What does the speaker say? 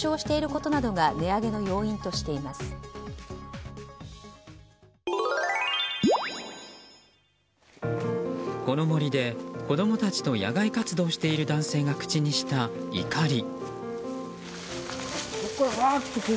この森で子供たちと野外活動している男性が口にした怒り。